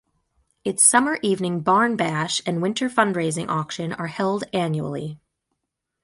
It's summer evening Barn Bash and winter fundraising auction are held annually.